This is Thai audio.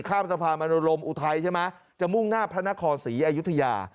ข้ามสะพานมโนรมอุทัยใช่ไหมจะมุ่งหน้าพระนครศรีอยุธยา